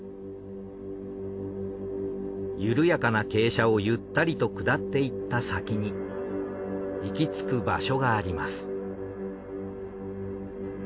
緩やかな傾斜をゆったりと下っていった先に行きつく場所があります。